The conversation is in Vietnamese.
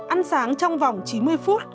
ăn sáng trong vòng chín mươi phút